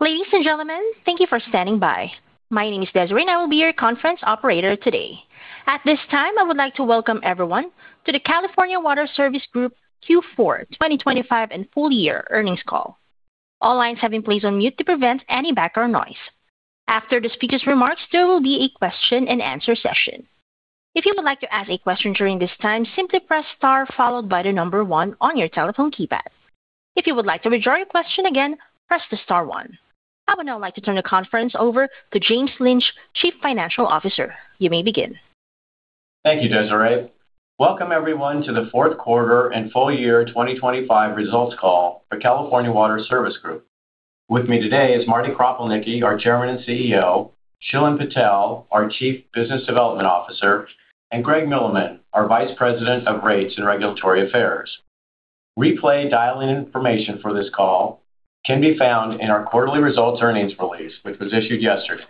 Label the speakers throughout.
Speaker 1: Ladies and gentlemen, thank you for standing by. My name is Desiree, and I will be your conference operator today. At this time, I would like to welcome everyone to the California Water Service Group Fourth Quarter 2025 and full year earnings call. All lines have been placed on mute to prevent any background noise. After the speaker's remarks, there will be a question-and-answer session. If you would like to ask a question during this time, simply press star followed by the number one on your telephone keypad. If you would like to withdraw your question again, press the star one. I would now like to turn the conference over to James Lynch, Chief Financial Officer. You may begin.
Speaker 2: Thank you, Desiree. Welcome everyone, to the fourth quarter and full year 2025 results call for California Water Service Group. With me today is Marty Kropelnicki, our Chairman and CEO, Shilen Patel, our Chief Business Development Officer, and Greg Milleman, our Vice President of Rates and Regulatory Affairs. Replay dial-in information for this call can be found in our quarterly results earnings release, which was issued yesterday.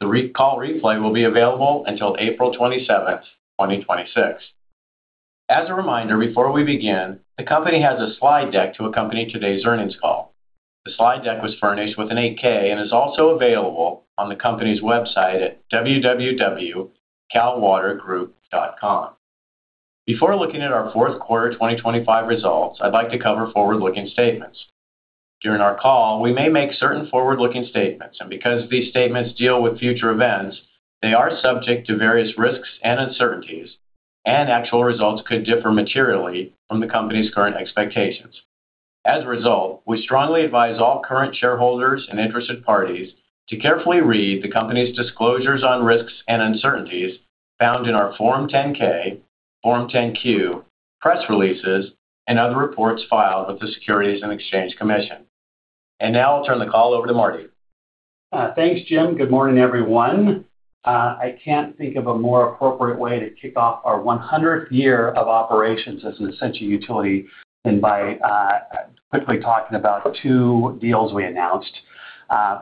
Speaker 2: The call replay will be available until April 27th, 2026. As a reminder, before we begin, the company has a slide deck to accompany today's earnings call. The slide deck was furnished with an 8-K and is also available on the company's website at www.calwatergroup.com. Before looking at our 4th quarter 2025 results, I'd like to cover forward-looking statements. During our call, we may make certain forward-looking statements, and because these statements deal with future events, they are subject to various risks and uncertainties, and actual results could differ materially from the company's current expectations. As a result, we strongly advise all current shareholders and interested parties to carefully read the company's disclosures on risks and uncertainties found in our Form 10-K, Form 10-Q, press releases, and other reports filed with the Securities and Exchange Commission. Now I'll turn the call over to Marty.
Speaker 3: Thanks, Jim. Good morning, everyone. I can't think of a more appropriate way to kick off our 100th year of operations as an essential utility than by quickly talking about two deals we announced.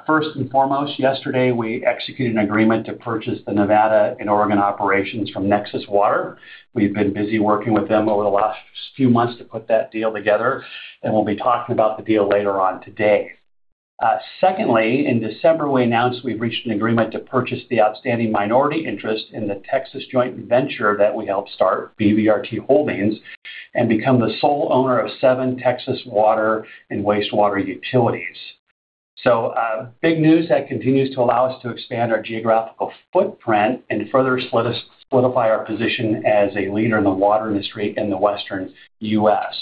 Speaker 3: First and foremost, yesterday, we executed an agreement to purchase the Nevada and Oregon operations from Nexus Water. We've been busy working with them over the last few months to put that deal together, and we'll be talking about the deal later on today. Secondly, in December, we announced we've reached an agreement to purchase the outstanding minority interest in the Texas joint venture that we helped start, BVRT Holdings, and become the sole owner of seven Texas water and wastewater utilities. Big news that continues to allow us to expand our geographical footprint and further solidify our position as a leader in the water industry in the Western U.S.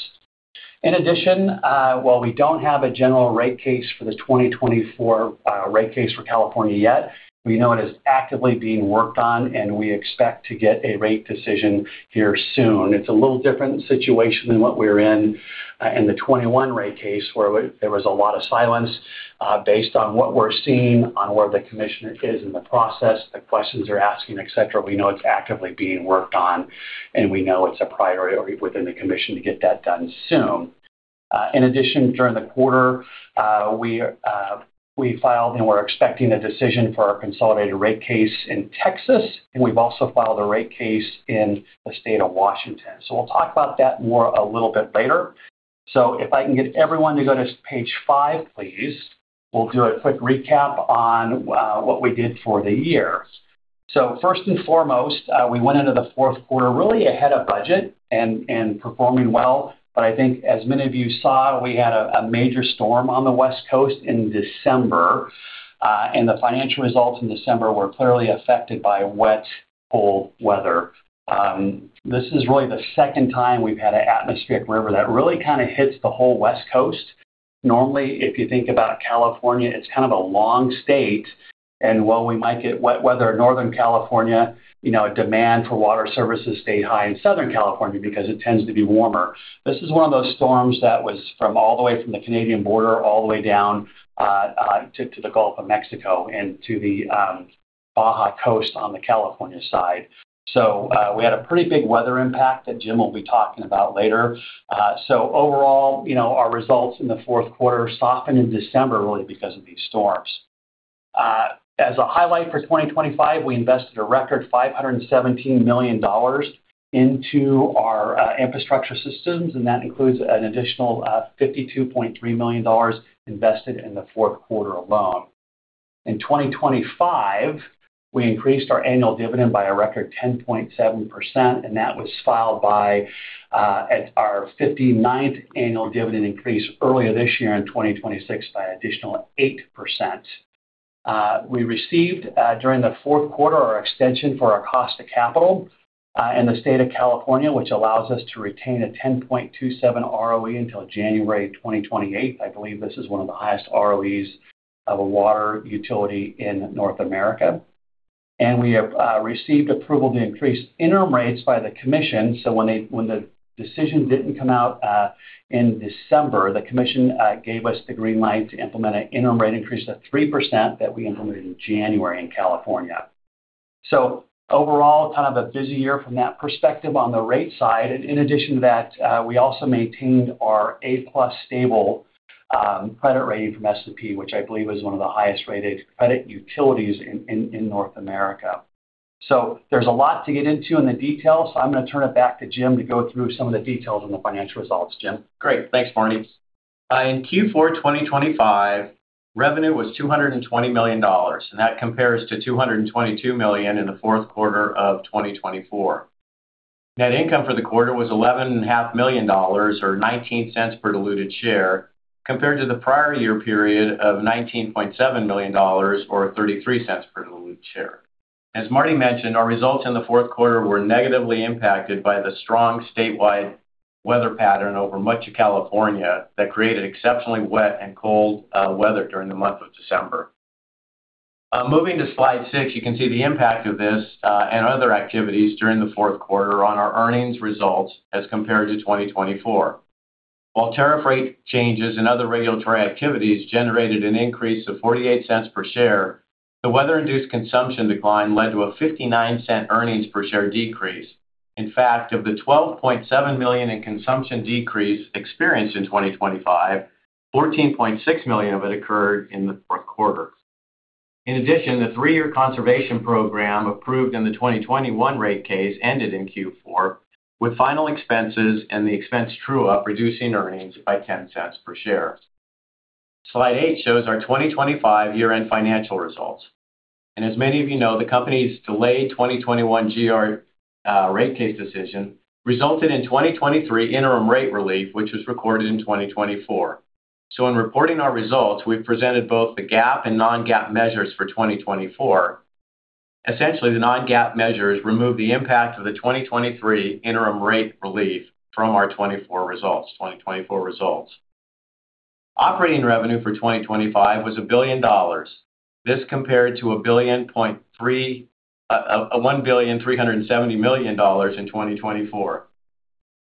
Speaker 3: In addition, while we don't have a General Rate Case for the 2024 rate case for California yet, we know it is actively being worked on, and we expect to get a rate decision here soon. It's a little different situation than what we were in the 2021 rate case, where there was a lot of silence. Based on what we're seeing, on where the Commissioner is in the process, the questions they're asking, et cetera, we know it's actively being worked on, and we know it's a priority within the Commission to get that done soon. In addition, during the quarter, we filed and we're expecting a decision for our consolidated rate case in Texas, and we've also filed a rate case in the state of Washington. We'll talk about that more a little bit later. If I can get everyone to go to page five, please, we'll do a quick recap on what we did for the year. First and foremost, we went into the fourth quarter really ahead of budget and performing well, but I think as many of you saw, we had a major storm on the West Coast in December, and the financial results in December were clearly affected by wet, cold weather. This is really the second time we've had an atmospheric river that really kinda hits the whole West Coast. Normally, if you think about California, it's kind of a long state, and while we might get wet weather in Northern California, you know, demand for water services stay high in Southern California because it tends to be warmer. This is one of those storms that was from all the way from the Canadian border, all the way down to the Gulf of Mexico and to the Baja Coast on the California side. We had a pretty big weather impact that Jim will be talking about later. Overall, you know, our results in the fourth quarter softened in December, really because of these storms. As a highlight for 2025, we invested a record $517 million into our infrastructure systems, and that includes an additional $52.3 million invested in the fourth quarter alone. In 2025, we increased our annual dividend by a record 10.7%, and that was followed by, at our 59th annual dividend increase earlier this year in 2026 by an additional 8%. We received, during the fourth quarter, our extension for our cost of capital in the state of California, which allows us to retain a 10.27% ROE until January 2028. I believe this is one of the highest ROEs of a water utility in North America. We have received approval to increase interim rates by the commission. When the decision didn't come out in December, the commission gave us the green light to implement an interim rate increase of 3% that we implemented in January in California. Overall, kind of a busy year from that perspective on the rate side. In addition to that, we also maintained our A+ stable credit rating from S&P, which I believe is one of the highest-rated credit utilities in North America. There's a lot to get into in the details, so I'm going to turn it back to Jim to go through some of the details on the financial results. Jim?
Speaker 2: Great. Thanks, Marty. In Q4 2025, revenue was $220 million, and that compares to $222 million in the fourth quarter of 2024. Net income for the quarter was eleven and a half million dollars, or $0.19 per diluted share, compared to the prior year period of $19.7 million or $0.33 per diluted share. As Marty mentioned, our results in the fourth quarter were negatively impacted by the strong statewide weather pattern over much of California that created exceptionally wet and cold weather during the month of December. Moving to slide six, you can see the impact of this and other activities during the fourth quarter on our earnings results as compared to 2024. While tariff rate changes and other regulatory activities generated an increase of $0.48 per share, the weather-induced consumption decline led to a $0.59 earnings per share decrease. In fact, of the $12.7 million in consumption decrease experienced in 2025, $14.6 million of it occurred in the fourth quarter. In addition, the three year conservation program, approved in the 2021 rate case, ended in Q4, with final expenses and the expense true-up, reducing earnings by $0.10 per share. Slide eight shows our 2025 year-end financial results. As many of you know, the company's delayed 2021 rate case decision resulted in 2023 interim rate relief, which was recorded in 2024. In reporting our results, we've presented both the GAAP and non-GAAP measures for 2024. Essentially, the non-GAAP measures remove the impact of the 2023 interim rate relief from our 2024 results. Operating revenue for 2025 was $1 billion. This compared to $1.37 billion in 2024.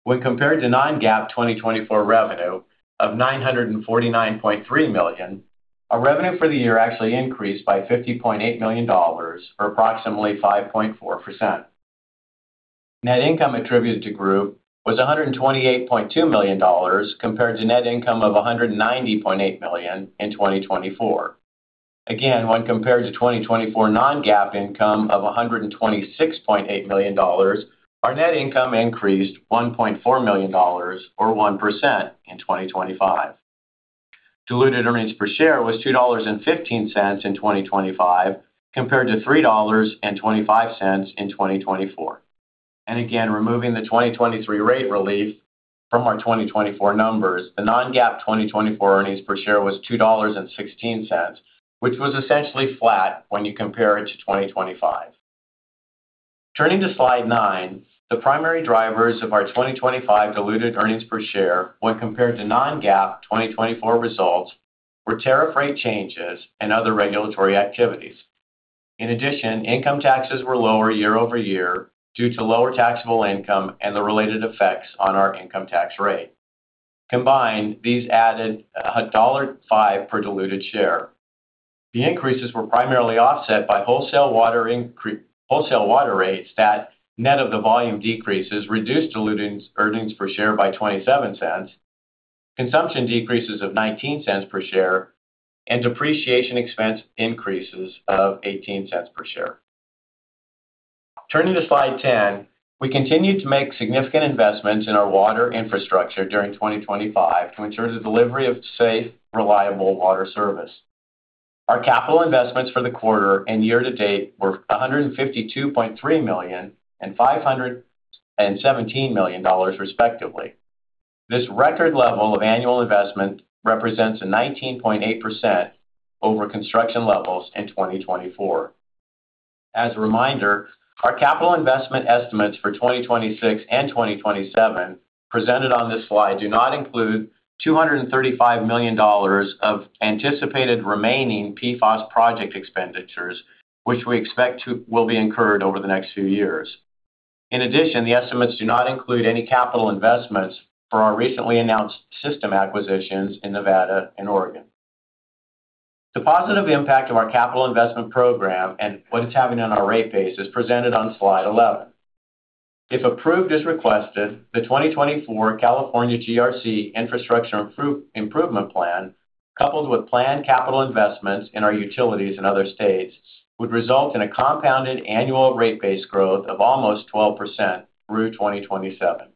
Speaker 2: When compared to non-GAAP 2024 revenue of $949.3 million, our revenue for the year actually increased by $50.8 million or approximately 5.4%. Net income attributed to group was $128.2 million, compared to net income of $190.8 million in 2024. Again, when compared to 2024 non-GAAP income of $126.8 million, our net income increased $1.4 million, or 1% in 2025. Diluted earnings per share was $2.15 in 2025, compared to $3.25 in 2024. Removing the 2023 rate relief from our 2024 numbers, the non-GAAP 2024 earnings per share was $2.16, which was essentially flat when you compare it to 2025. Turning to slide nine, the primary drivers of our 2025 diluted earnings per share when compared to non-GAAP 2024 results, were tariff rate changes and other regulatory activities. Income taxes were lower year-over-year due to lower taxable income and the related effects on our income tax rate. These added $1.05 per diluted share. The increases were primarily offset by wholesale water rates that, net of the volume decreases, reduced diluted earnings per share by $0.27, consumption decreases of $0.19 per share, and depreciation expense increases of $0.18 per share. Turning to slide 10, we continued to make significant investments in our water infrastructure during 2025 to ensure the delivery of safe, reliable water service. Our capital investments for the quarter and year to date were $152.3 million and $517 million, respectively. This record level of annual investment represents a 19.8% over construction levels in 2024. As a reminder, our capital investment estimates for 2026 and 2027, presented on this slide, do not include $235 million of anticipated remaining PFAS project expenditures, which we expect will be incurred over the next few years. The estimates do not include any capital investments for our recently announced system acquisitions in Nevada and Oregon. The positive impact of our capital investment program and what it's having on our rate base is presented on slide 11. If approved as requested, the 2024 California GRC Infrastructure Improvement Plan, coupled with planned capital investments in our utilities in other states, would result in a compounded annual rate base growth of almost 12% through 2027.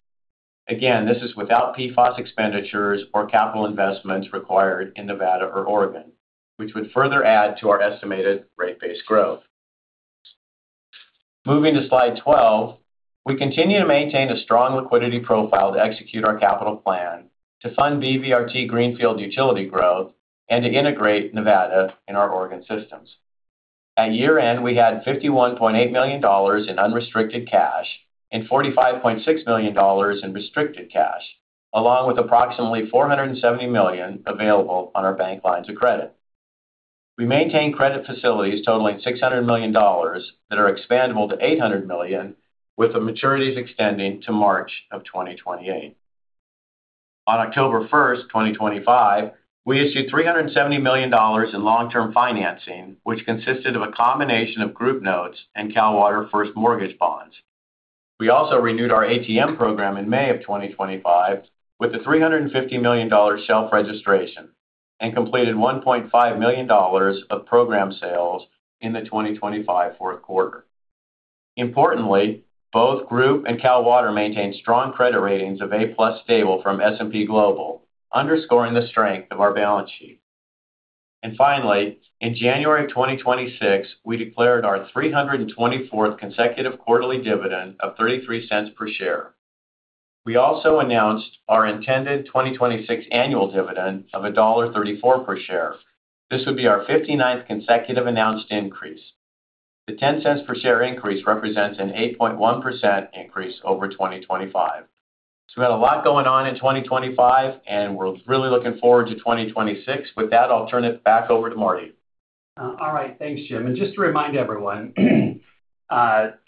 Speaker 2: This is without PFAS expenditures or capital investments required in Nevada or Oregon, which would further add to our estimated rate base growth. Moving to slide 12, we continue to maintain a strong liquidity profile to execute our capital plan, to fund BVRT greenfield utility growth, and to integrate Nevada in our Oregon systems. At year-end, we had $51.8 million in unrestricted cash and $45.6 million in restricted cash, along with approximately $470 million available on our bank lines of credit. We maintain credit facilities totaling $600 million that are expandable to $800 million, with the maturities extending to March of 2028. On October 1, 2025, we issued $370 million in long-term financing, which consisted of a combination of Group notes and Cal Water First Mortgage Bonds. We also renewed our ATM program in May 2025, with a $350 million shelf registration, and completed $1.5 million of program sales in the 2025 fourth quarter. Importantly, both Group and Cal Water maintained strong credit ratings of A+ stable from S&P Global, underscoring the strength of our balance sheet. Finally, in January 2026, we declared our 324th consecutive quarterly dividend of $0.33 per share. We also announced our intended 2026 annual dividend of $1.34 per share. This would be our 59th consecutive announced increase. The $0.10 per share increase represents an 8.1% increase over 2025. We had a lot going on in 2025, and we're really looking forward to 2026. With that, I'll turn it back over to Marty.
Speaker 3: All right, thanks, James. Just to remind everyone,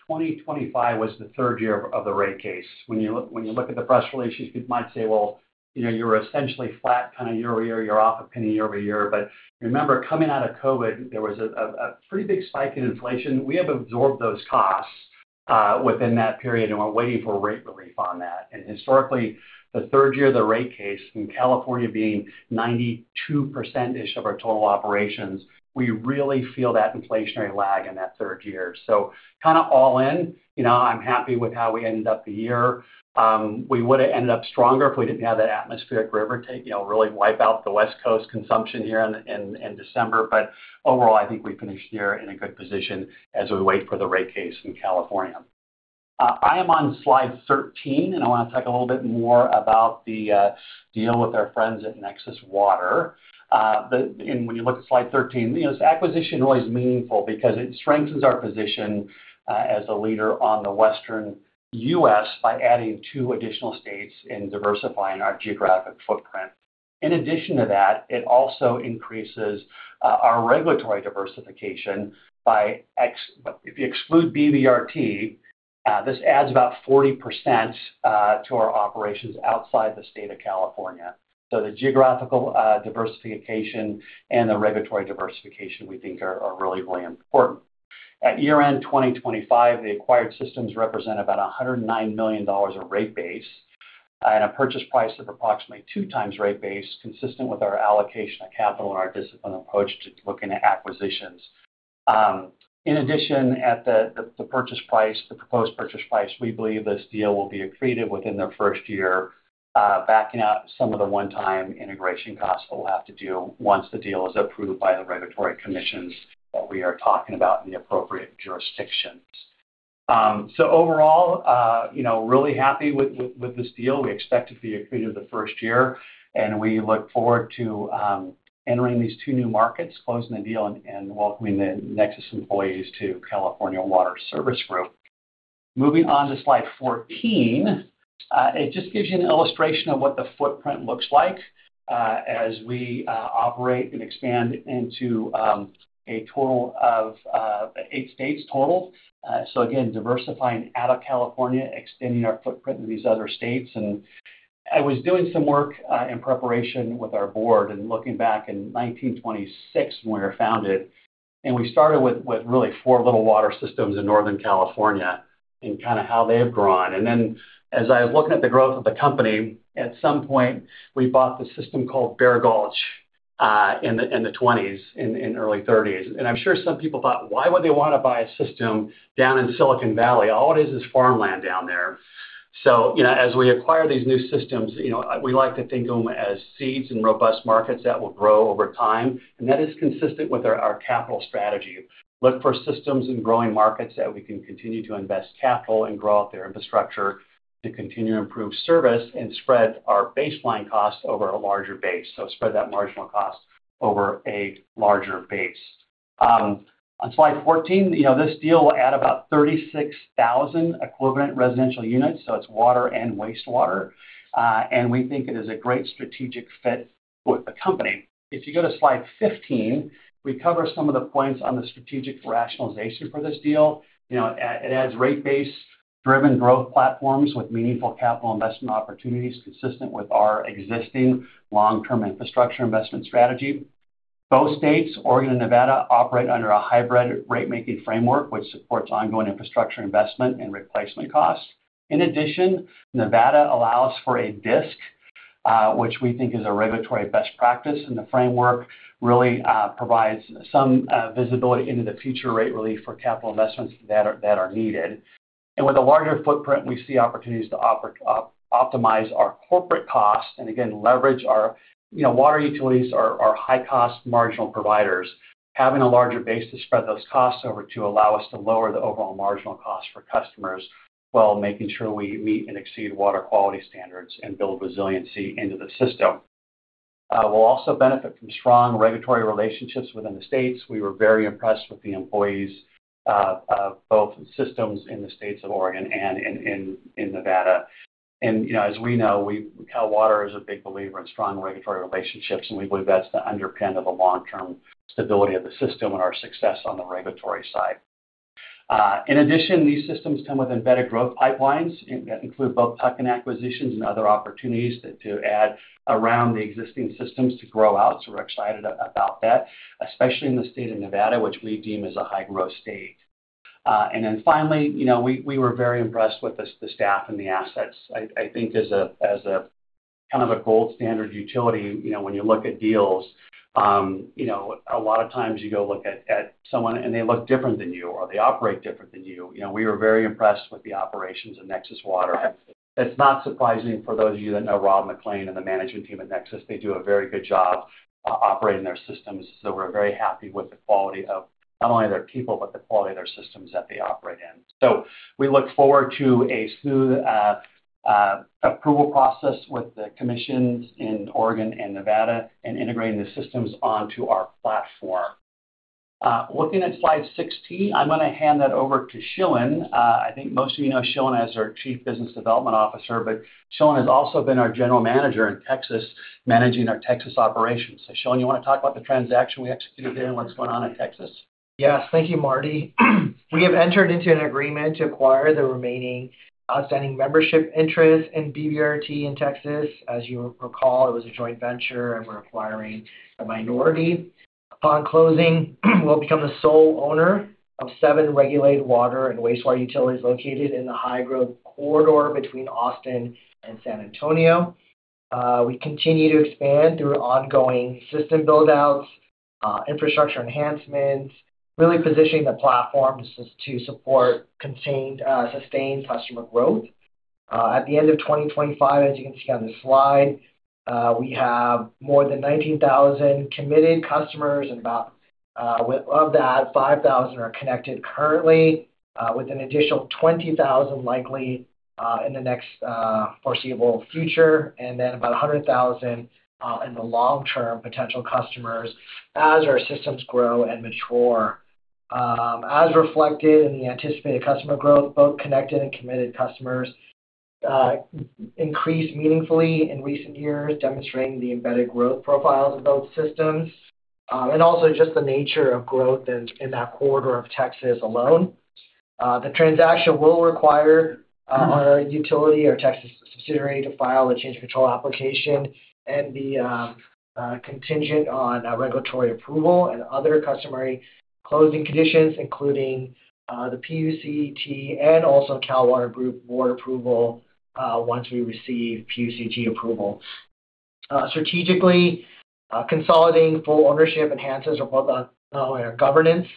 Speaker 3: 2025 was the third year of the rate case. When you look at the press releases, you might say, "Well, you know, you're essentially flat, kind of year-over-year, you're off $0.01 year-over-year." Remember, coming out of COVID, there was a pretty big spike in inflation. We have absorbed those costs within that period, we're waiting for rate relief on that. Historically, the third year of the rate case in California being 92%-ish of our total operations, we really feel that inflationary lag in that third year. Kind of all in, you know, I'm happy with how we ended up the year. We would've ended up stronger if we didn't have that atmospheric river take, you know, really wipe out the West Coast consumption here in December. Overall, I think we finished the year in a good position as we wait for the rate case in California. I am on slide 13, I want to talk a little bit more about the deal with our friends at Nexus Water Group. When you look at slide 13, you know, this acquisition really is meaningful because it strengthens our position as a leader on the Western U.S. by adding two additional states and diversifying our geographic footprint. In addition to that, it also increases our regulatory diversification if you exclude BVRT, this adds about 40% to our operations outside the state of California. The geographical diversification and the regulatory diversification, we think, are really important. At year-end 2025, the acquired systems represent about $109 million of rate base and a purchase price of approximately 2x rate base, consistent with our allocation of capital and our disciplined approach to looking at acquisitions. In addition, at the proposed purchase price, we believe this deal will be accretive within the 1st year, backing out some of the one-time integration costs that we'll have to do once the deal is approved by the regulatory commissions that we are talking about in the appropriate jurisdictions. Overall, you know, really happy with this deal. We expect to be accretive the first year, and we look forward to entering these two new markets, closing the deal, and welcoming the Nexus employees to California Water Service Group. Moving on to slide 14, it just gives you an illustration of what the footprint looks like, as we operate and expand into a total of eight states total. Again, diversifying out of California, extending our footprint to these other states. I was doing some work in preparation with our board and looking back in 1926, when we were founded, and we started with really four little water systems in Northern California and kind of how they've grown. As I was looking at the growth of the company, at some point, we bought this system called Bear Gulch, in the 20s, in early 30s. I'm sure some people thought, "Why would they wanna buy a system down in Silicon Valley? All it is farmland down there." You know, as we acquire these new systems, you know, we like to think of them as seeds in robust markets that will grow over time, and that is consistent with our capital strategy. Look for systems in growing markets that we can continue to invest capital and grow out their infrastructure to continue to improve service and spread our baseline costs over a larger base, so spread that marginal cost over a larger base. On slide 14, you know, this deal will add about 36,000 equivalent residential units, so it's water and wastewater, and we think it is a great strategic fit for the company. If you go to slide 15, we cover some of the points on the strategic rationalization for this deal. You know, it adds rate base-driven growth platforms with meaningful capital investment opportunities consistent with our existing long-term infrastructure investment strategy. Both states, Oregon and Nevada, operate under a hybrid rate-making framework, which supports ongoing infrastructure investment and replacement costs. In addition, Nevada allows for a DSIC, which we think is a regulatory best practice, and the framework really provides some visibility into the future rate relief for capital investments that are needed. With a larger footprint, we see opportunities to optimize our corporate costs and again, leverage our water utilities are high-cost marginal providers. Having a larger base to spread those costs over to allow us to lower the overall marginal cost for customers, while making sure we meet and exceed water quality standards and build resiliency into the system. We'll also benefit from strong regulatory relationships within the states. We were very impressed with the employees, both systems in the states of Oregon and in Nevada. As we know, Cal Water is a big believer in strong regulatory relationships, and we believe that's the underpinning of the long-term stability of the system and our success on the regulatory side. In addition, these systems come with embedded growth pipelines that include both tuck-in acquisitions and other opportunities to add around the existing systems to grow out. We're excited about that, especially in the state of Nevada, which we deem as a high-growth state. Finally, you know, we were very impressed with the staff and the assets. I think as a kind of a gold standard utility. You know, when you look at deals, you know, a lot of times you go look at someone, and they look different than you or they operate different than you. You know, we were very impressed with the operations of Nexus Water. It's not surprising for those of you that know Rob MacLean and the management team at Nexus. They do a very good job operating their systems, so we're very happy with the quality of not only their people, but the quality of their systems that they operate in. We look forward to a smooth approval process with the commissions in Oregon and Nevada and integrating the systems onto our platform. Looking at slide 16, I'm going to hand that over to Shilen. I think most of you know Shilen as our Chief Business Development Officer, but Shilen has also been our general manager in Texas, managing our Texas operations. Shilen, you want to talk about the transaction we executed there and what's going on in Texas?
Speaker 4: Yes. Thank you, Marty. We have entered into an agreement to acquire the remaining outstanding membership interest in BVRT in Texas. As you recall, it was a joint venture, and we're acquiring a minority. Upon closing, we'll become the sole owner of seven regulated water and wastewater utilities located in the high-growth corridor between Austin and San Antonio. We continue to expand through ongoing system build-outs, infrastructure enhancements, really positioning the platform to support sustained customer growth. At the end of 2025, as you can see on the slide, we have more than 19,000 committed customers, and about of that, 5,000 are connected currently, with an additional 20,000 likely in the next foreseeable future, and then about 100,000 in the long term, potential customers as our systems grow and mature. As reflected in the anticipated customer growth, both connected and committed customers increased meaningfully in recent years, demonstrating the embedded growth profiles of both systems, and also just the nature of growth in that corridor of Texas alone. The transaction will require our utility, our Texas subsidiary, to file a change of control application and be contingent on regulatory approval and other customary closing conditions, including the PUCT and also Cal Water Group board approval once we receive PUCT approval. Strategically, consolidating full ownership enhances not only our governance,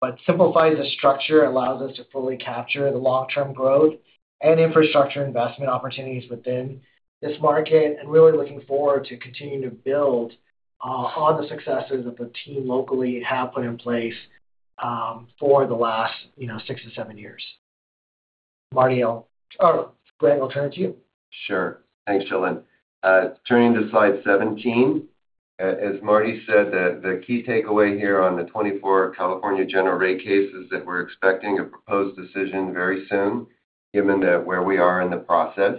Speaker 4: but simplifies the structure and allows us to fully capture the long-term growth and infrastructure investment opportunities within this market, and really looking forward to continuing to build on the successes that the team locally have put in place, for the last, you know, six to seven years. Marty, or Greg, I'll turn it to you.
Speaker 5: Sure. Thanks, Shilen Patel. Turning to slide 17, as Marty said, the key takeaway here on the 2024 California General Rate Case is that we're expecting a Proposed Decision very soon, given that where we are in the process.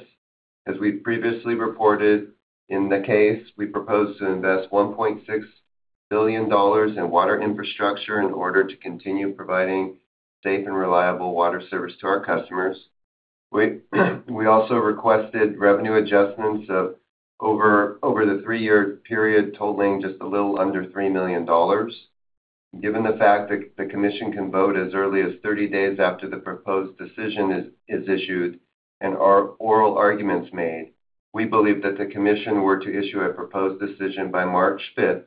Speaker 5: As we previously reported, in the case, we proposed to invest $1.6 billion in water infrastructure in order to continue providing safe and reliable water service to our customers. We also requested revenue adjustments over the three-year period, totaling just a little under $3 million. Given the fact that the Commission can vote as early as 30 days after the Proposed Decision is issued and our oral arguments made, we believe that the Commission were to issue a Proposed Decision by March 5th,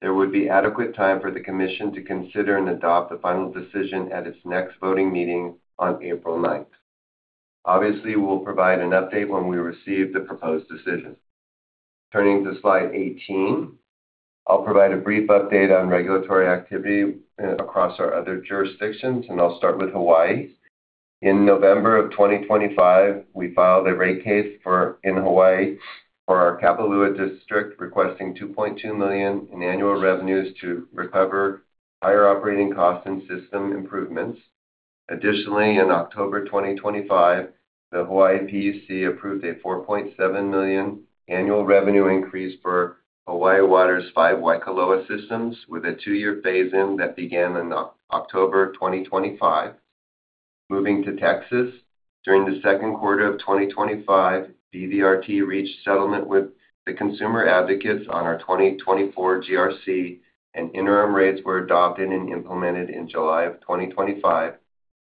Speaker 5: there would be adequate time for the Commission to consider and adopt the Final Decision at its next voting meeting on April 9th. We'll provide an update when we receive the Proposed Decision. Turning to slide 18, I'll provide a brief update on regulatory activity across our other jurisdictions, and I'll start with Hawaii. In November 2025, we filed a rate case in Hawaii for our Kapalua district, requesting $2.2 million in annual revenues to recover higher operating costs and system improvements. Additionally, in October 2025, the Hawaii PUC approved a $4.7 million annual revenue increase for Hawaii Water's five Waikoloa systems, with a two year phase-in that began in October 2025. Moving to Texas, during the second quarter of 2025, BVRT reached settlement with the consumer advocates on our 2024 GRC, and interim rates were adopted and implemented in July of 2025.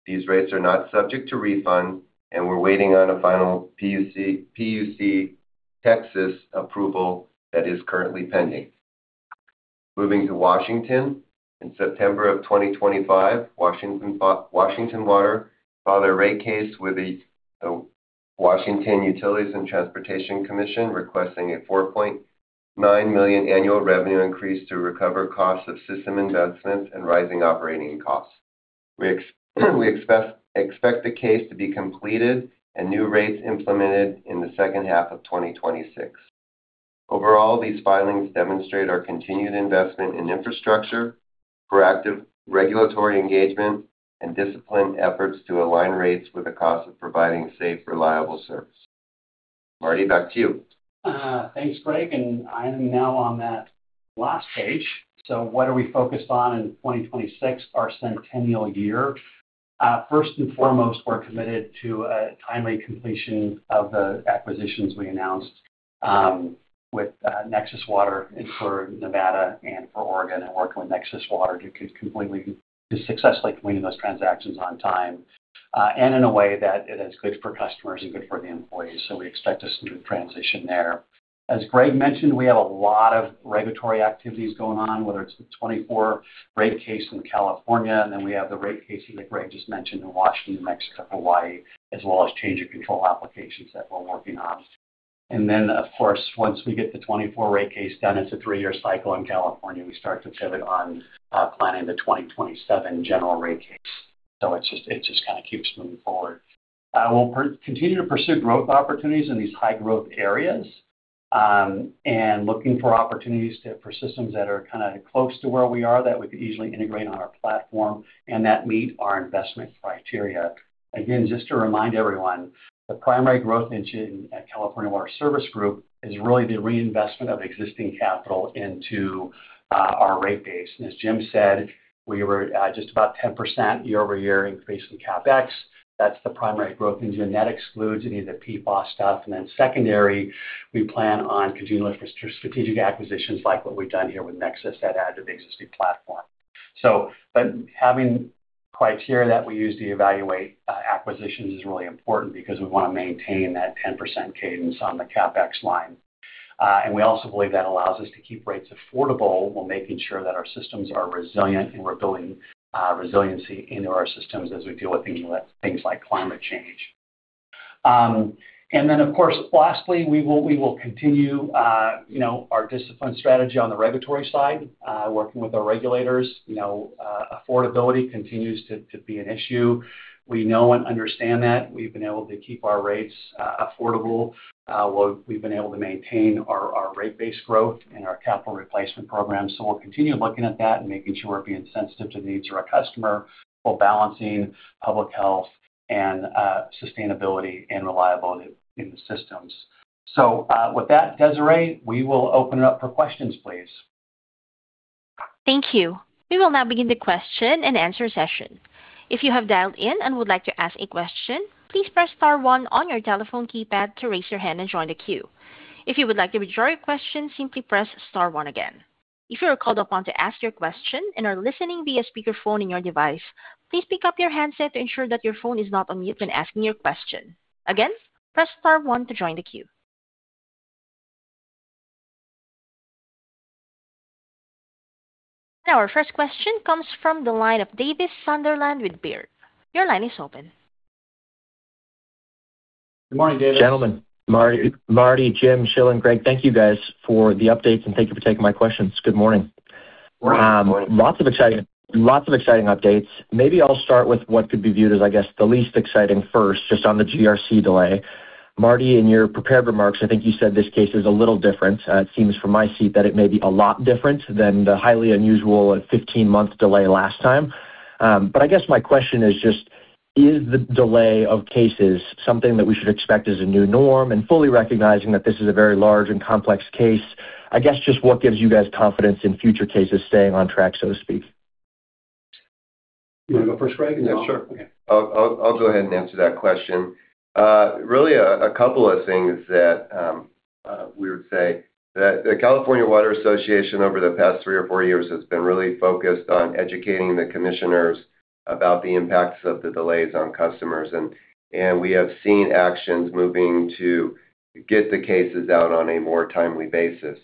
Speaker 5: These rates are not subject to refund, we're waiting on a final PUC Texas approval that is currently pending. Moving to Washington, in September of 2025, Washington Water filed a rate case with the Washington Utilities and Transportation Commission, requesting a $4.9 million annual revenue increase to recover costs of system investments and rising operating costs. We expect the case to be completed and new rates implemented in the second half of 2026. Overall, these filings demonstrate our continued investment in infrastructure, proactive regulatory engagement, and disciplined efforts to align rates with the cost of providing safe, reliable service. Marty, back to you.
Speaker 3: Thanks, Greg, and I am now on that last page. What are we focused on in 2026, our centennial year? First and foremost, we're committed to a timely completion of the acquisitions we announced with Nexus Water and for Nevada and for Oregon, and working with Nexus Water to successfully completing those transactions on time, and in a way that it is good for customers and good for the employees. We expect a smooth transition there. As Greg mentioned, we have a lot of regulatory activities going on, whether it's the 2024 rate case in California, we have the rate case that Greg just mentioned in Washington, New Mexico, Hawaii, as well as change of control applications that we're working on. Of course, once we get the 2024 rate case done, it's a three year cycle in California. We start to pivot on planning the 2027 general rate case. It just kind of keeps moving forward. We'll continue to pursue growth opportunities in these high-growth areas, and looking for opportunities to, for systems that are kinda close to where we are, that we could easily integrate on our platform and that meet our investment criteria. Again, just to remind everyone, the primary growth engine at California Water Service Group is really the reinvestment of existing capital into our rate base. As Jim said, we were at just about 10% year-over-year increase in CapEx. That's the primary growth engine, and that excludes any of the PFAS stuff. Secondary, we plan on continuing strategic acquisitions like what we've done here with Nexus that add to the existing platform. Having criteria that we use to evaluate acquisitions is really important because we want to maintain that 10% cadence on the CapEx line. We also believe that allows us to keep rates affordable while making sure that our systems are resilient, and we're building resiliency into our systems as we deal with things like climate change. Of course, lastly, we will continue, you know, our disciplined strategy on the regulatory side, working with our regulators. You know, affordability continues to be an issue. We know and understand that. We've been able to keep our rates affordable while we've been able to maintain our rate base growth and our capital replacement program. We'll continue looking at that and making sure we're being sensitive to the needs of our customer, while balancing public health and sustainability and reliability in the systems. With that, Desiree, we will open it up for questions, please.
Speaker 1: Thank you. We will now begin the question and answer session. If you have dialed in and would like to ask a question, please press star one on your telephone keypad to raise your hand and join the queue. If you would like to withdraw your question, simply press star one again. If you are called upon to ask your question and are listening via speakerphone in your device, please pick up your handset to ensure that your phone is not on mute when asking your question. Again, press star one to join the queue. Our first question comes from the line of Davis Sunderland with Baird. Your line is open.
Speaker 3: Good morning, Davis.
Speaker 6: Gentlemen, Marty, Jim, Shilen, and Greg, thank you, guys, for the updates. Thank you for taking my questions. Good morning.
Speaker 3: Good morning.
Speaker 6: Lots of exciting updates. Maybe I'll start with what could be viewed as, I guess, the least exciting first, just on the GRC delay. Marty, in your prepared remarks, I think you said this case is a little different. It seems from my seat that it may be a lot different than the highly unusual 15-month delay last time. I guess my question is just: Is the delay of cases something that we should expect as a new norm? Fully recognizing that this is a very large and complex case, I guess, just what gives you guys confidence in future cases staying on track, so to speak?
Speaker 3: You wanna go first, Greg?
Speaker 5: Yeah, sure.
Speaker 3: Okay.
Speaker 5: I'll go ahead and answer that question. Really a couple of things that we would say. That the California Water Association over the past three or four years has been really focused on educating the commissioners about the impacts of the delays on customers, and we have seen actions moving to get the cases out on a more timely basis.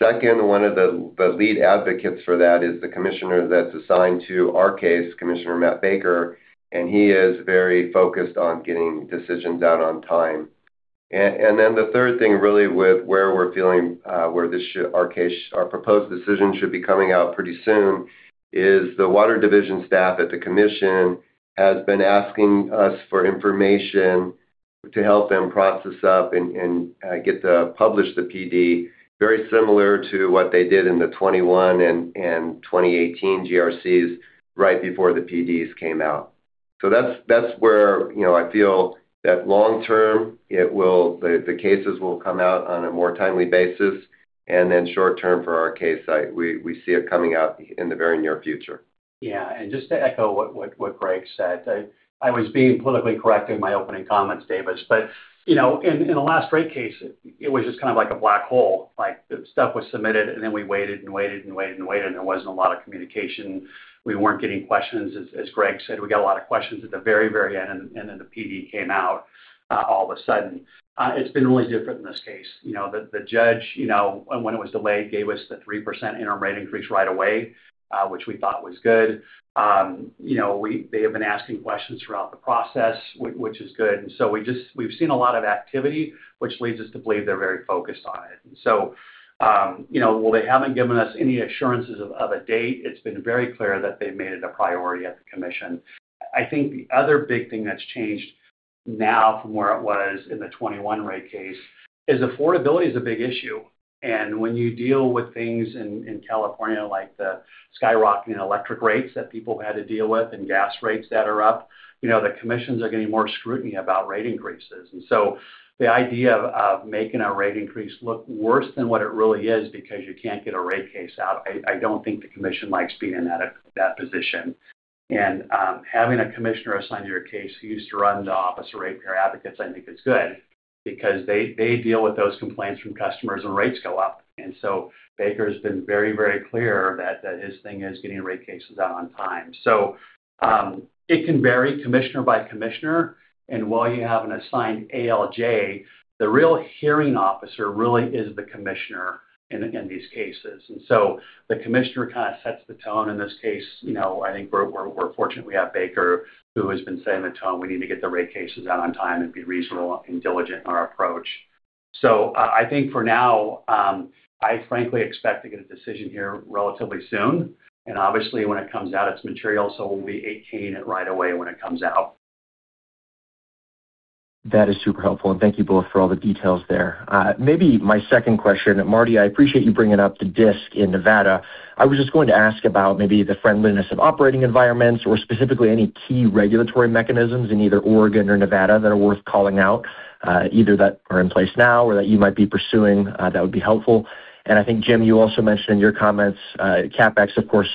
Speaker 5: Second, one of the lead advocates for that is the commissioner that's assigned to our case, Commissioner Matt Baker, and he is very focused on getting decisions out on time. Then the third thing, really, with where we're feeling, where our case, our proposed decision should be coming out pretty soon, is the water division staff at the commission has been asking us for information to help them process up and get to publish the PD, very similar to what they did in the 2021 and 2018 GRCs right before the PDs came out. That's, that's where, you know, I feel that long term, it will the cases will come out on a more timely basis, and then short term for our case, we see it coming out in the very near future.
Speaker 3: Just to echo what Greg said, I was being politically correct in my opening comments, Davis. You know, in the last rate case, it was just kind of like a black hole. Like, the stuff was submitted, we waited, there wasn't a lot of communication. We weren't getting questions. As Greg said, we got a lot of questions at the very end, the PD came out all of a sudden. It's been really different in this case. You know, the judge, you know, when it was delayed, gave us the 3% interim rate increase right away, which we thought was good. You know, they have been asking questions throughout the process, which is good. We've seen a lot of activity, which leads us to believe they're very focused on it. You know, while they haven't given us any assurances of a date, it's been very clear that they've made it a priority at the commission. I think the other big thing that's changed now from where it was in the 2021 rate case is affordability is a big issue, and when you deal with things in California like the skyrocketing electric rates that people had to deal with and gas rates that are up, you know, the commissions are getting more scrutiny about rate increases. The idea of making a rate increase look worse than what it really is because you can't get a rate case out, I don't think the commission likes being in that position. Having a commissioner assigned to your case who used to run the Office of Ratepayer Advocates, I think is good, because they deal with those complaints from customers when rates go up. Baker has been very clear that his thing is getting rate cases out on time. It can vary commissioner by commissioner, and while you have an assigned ALJ, the real hearing officer really is the commissioner in these cases. The commissioner kind of sets the tone i`n this case. You know, I think we're fortunate we have Baker, who has been setting the tone. We need to get the rate cases out on time and be reasonable and diligent in our approach. I think for now, I frankly expect to get a decision here relatively soon, and obviously, when it comes out, it's material, so we'll be implement it right away when it comes out.
Speaker 6: That is super helpful, and thank you both for all the details there. Maybe my 2nd question, Marty, I appreciate you bringing up the DSIC in Nevada. I was just going to ask about maybe the friendliness of operating environments or specifically any key regulatory mechanisms in either Oregon or Nevada that are worth calling out, either that are in place now or that you might be pursuing, that would be helpful. I think, Jim, you also mentioned in your comments, CapEx, of course,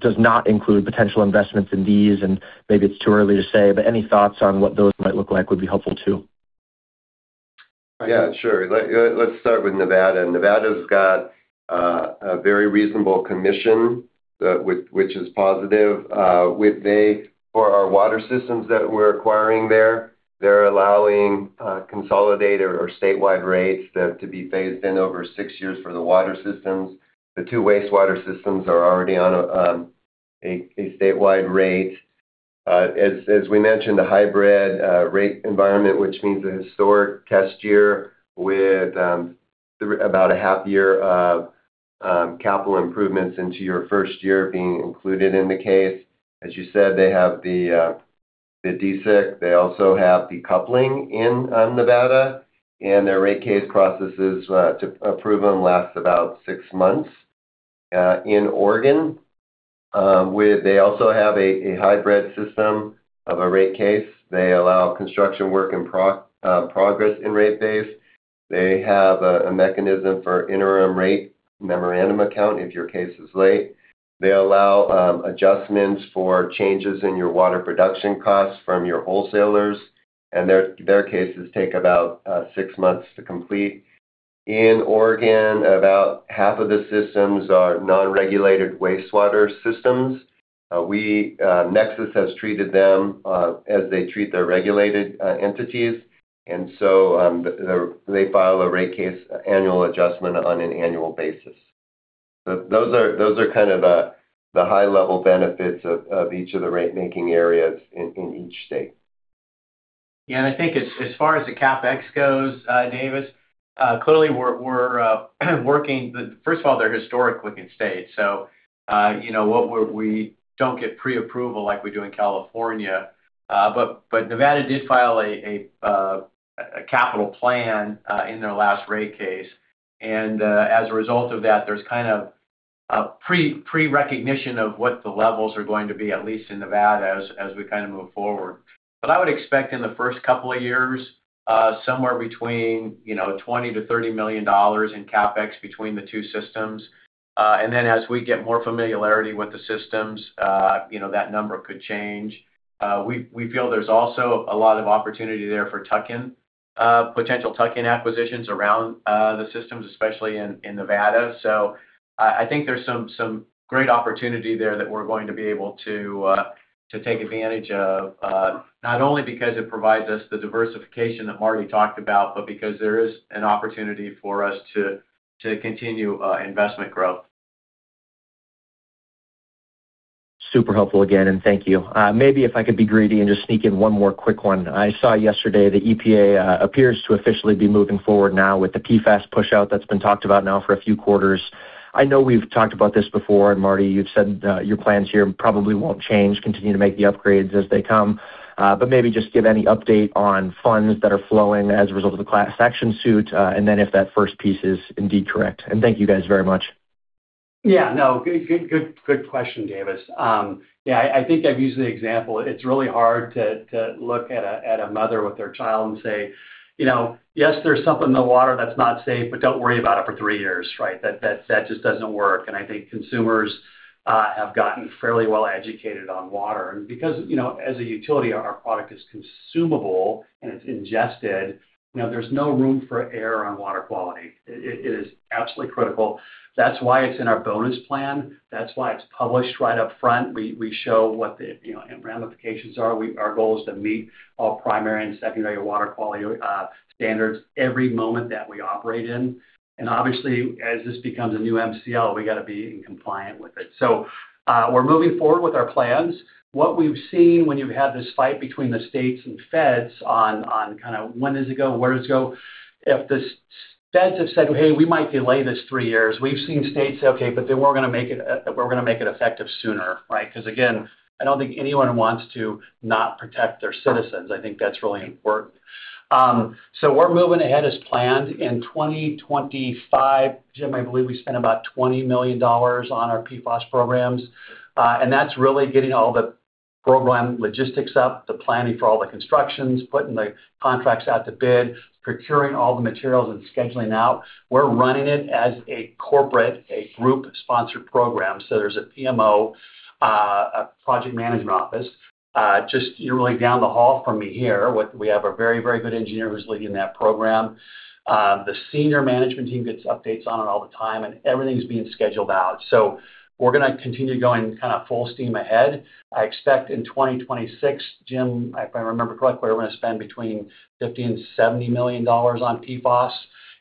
Speaker 6: does not include potential investments in these, and maybe it's too early to say, but any thoughts on what those might look like would be helpful too.
Speaker 5: Sure. Let's start with Nevada. Nevada's got a very reasonable commission, which is positive. For our water systems that we're acquiring there, they're allowing consolidated or statewide rates to be phased in over six years for the water systems. The two wastewater systems are already on a statewide rate. As we mentioned, a hybrid rate environment, which means a historic test year with about a half year of capital improvements into your first year being included in the case. As you said, they have the DSIC. They also have the coupling in Nevada, and their rate case processes to approve them, lasts about six months. In Oregon, they also have a hybrid system of a rate case. They allow construction work in progress in rate base. They have a mechanism for Interim Rates Memorandum Account if your case is late. They allow adjustments for changes in your water production costs from your wholesalers, their cases take about six months to complete. In Oregon, about half of the systems are non-regulated wastewater systems. We Nexus has treated them as they treat their regulated entities, they file a rate case annual adjustment on an annual basis. Those are kind of the high-level benefits of each of the ratemaking areas in each state.
Speaker 3: I think as far as the CapEx goes, Davis, clearly, we're working. First of all, they're historic-looking states, so, you know, what we don't get pre-approval like we do in California. Nevada did file a capital plan in their last rate case. As a result of that, there's kind of a pre-recognition of what the levels are going to be, at least in Nevada, as we move forward. I would expect in the first couple of years, somewhere between, you know, $20 million-$30 million in CapEx between the two systems. Then as we get more familiarity with the systems, you know, that number could change. We feel there's also a lot of opportunity there for tuck-in, potential tuck-in acquisitions around the systems, especially in Nevada. I think there's some great opportunity there that we're going to be able to take advantage of, not only because it provides us the diversification that Marty talked about, but because there is an opportunity for us to continue investment growth.
Speaker 6: Super helpful again. Thank you. Maybe if I could be greedy and just sneak in one more quick one. I saw yesterday that EPA appears to officially be moving forward now with the PFAS pushout that's been talked about now for a few quarters. I know we've talked about this before, Marty, you've said your plans here probably won't change, continue to make the upgrades as they come. Maybe just give any update on funds that are flowing as a result of the class action suit, and then if that first piece is indeed correct. Thank you guys very much.
Speaker 3: Yeah, no, good question, Davis. Yeah, I think I've used the example. It's really hard to look at a mother with her child and say, "You know, yes, there's something in the water that's not safe, but don't worry about it for three years," right? That just doesn't work, and I think consumers have gotten fairly well educated on water. Because, you know, as a utility, our product is consumable and it's ingested, you know, there's no room for error on water quality. It is absolutely critical. That's why it's in our bonus plan. That's why it's published right up front. We show what the, you know, ramifications are. Our goal is to meet all primary and secondary water quality standards every moment that we operate in. Obviously, as this becomes a new MCL, we got to be in compliant with it. We're moving forward with our plans. What we've seen when you've had this fight between the states and feds on kind of, when does it go, where does it go? The feds have said, "Hey, we might delay this three years," we've seen states say, "Okay, but then we're going to make it effective sooner," right? Again, I don't think anyone wants to not protect their citizens. I think that's really important. We're moving ahead as planned. In 2025, Jim, I believe we spent about $20 million on our PFAS programs, and that's really getting all the program logistics up, the planning for all the constructions, putting the contracts out to bid, procuring all the materials and scheduling out. We're running it as a corporate, a group-sponsored program. There's a PMO, a project management office, just literally down the hall from me here. We have a very, very good engineer who's leading that program. The senior management team gets updates on it all the time, and everything is being scheduled out. We're going to continue going kind of full steam ahead. I expect in 2026, Jim, if I remember correctly, we're going to spend between $50 million-$70 million on PFAS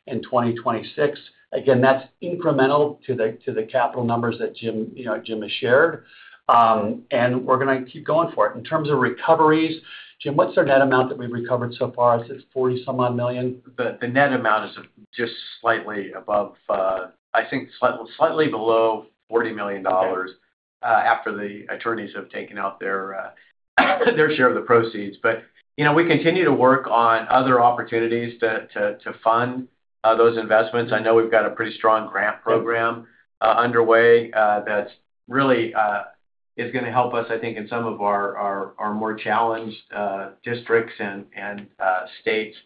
Speaker 3: in 2026. Again, that's incremental to the, to the capital numbers that Jim, you know, Jim has shared. We're going to keep going for it. In terms of recoveries, Jim, what's our net amount that we've recovered so far? Is it $40 some odd million?
Speaker 2: But the net amount is just slightly above, I think, slightly below $40 million after the attorneys have taken out their share of the proceeds. We continue to work on other opportunities to fund those investments. I know we've got a pretty strong grant program underway that's really going to help us I think some of our more challenged districts and states.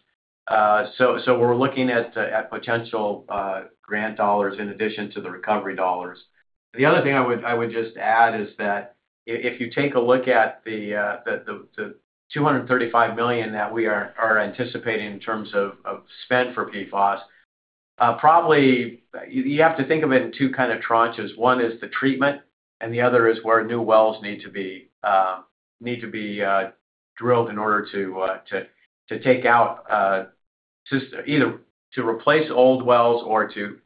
Speaker 2: We're looking at potential grant dollars in addition to the recovery dollars. The other thing I would just add is that if you take a look at the $235 million that we are anticipating in terms of spend for PFAS, probably you have to think of it in two kind of tranches. One is the treatment, and the other is where new wells need to be drilled in order to take out just either to replace old wells or to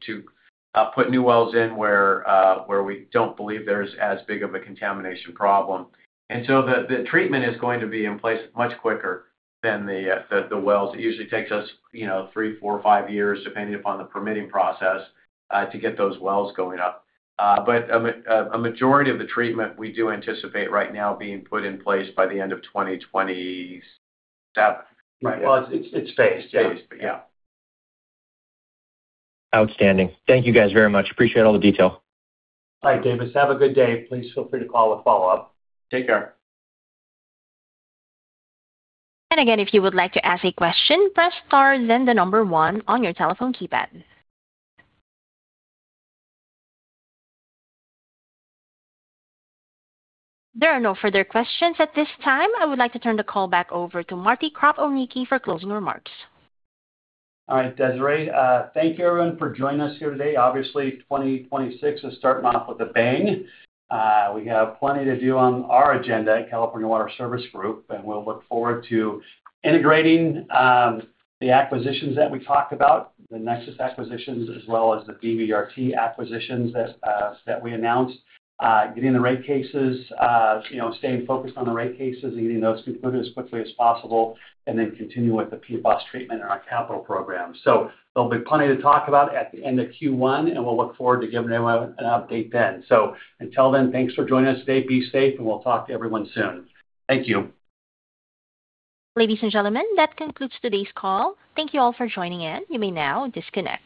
Speaker 2: put new wells in where we don't believe there's as big of a contamination problem. The treatment is going to be in place much quicker than the wells. It usually takes us, you know, three, four, five years, depending upon the permitting process, to get those wells going up. A majority of the treatment we do anticipate right now being put in place by the end of 2027.
Speaker 3: Well, it's phased.
Speaker 2: Phased, yeah.
Speaker 6: Outstanding. Thank you, guys, very much. Appreciate all the detail.
Speaker 3: All right, Davis, have a good day. Please feel free to call with follow-up.
Speaker 2: Take care.
Speaker 1: Again, if you would like to ask a question, press star, then the one on your telephone keypad. There are no further questions at this time. I would like to turn the call back over to Marty Kropelnicki for closing remarks.
Speaker 3: All right, Desiree. Thank you, everyone, for joining us here today. Obviously, 2026 is starting off with a bang. We have plenty to do on our agenda at California Water Service Group, and we'll look forward to integrating the acquisitions that we talked about, the Nexus acquisitions, as well as the BVRT acquisitions that we announced. Getting the rate cases, you know, staying focused on the rate cases and getting those concluded as quickly as possible, and then continue with the PFAS treatment and our capital program. There'll be plenty to talk about at the end of Q1, and we'll look forward to giving you an update then. Until then, thanks for joining us today. Be safe, and we'll talk to everyone soon. Thank you.
Speaker 1: Ladies and gentlemen, that concludes today's call. Thank you all for joining in. You may now disconnect.